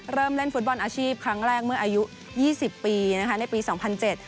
เริ่มเล่นฟุตบอลอาชีพครั้งแรกเมื่ออายุยี่สิบปีนะคะในปีสองพันเจ็ด